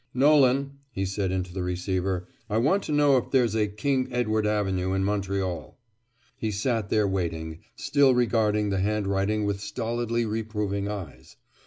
"Nolan," he said into the receiver, "I want to know if there's a King Edward Avenue in Montreal." He sat there waiting, still regarding the handwriting with stolidly reproving eyes.